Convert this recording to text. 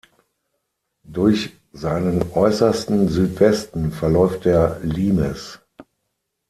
Durch seinen äußersten Südwesten verläuft der Limes.